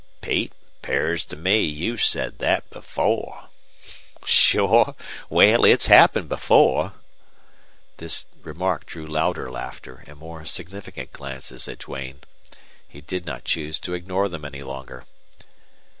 "Pete, 'pears to me you've said thet before." "Shore. Wal, it's happened before." This remark drew louder laughter and more significant glances at Duane. He did not choose to ignore them any longer.